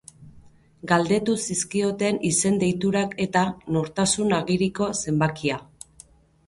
Galdetu zizkioten izen-deiturak eta nortasun agiriko zenbakia.